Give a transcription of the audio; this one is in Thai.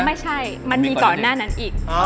ไม่ใช่มันมีก่อนหน้านั้นอีก